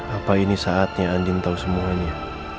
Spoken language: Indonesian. apa ini saatnya andien tau semuanya